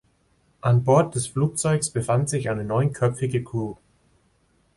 An Bord des Flugzeugs befand sich eine neunköpfige Crew.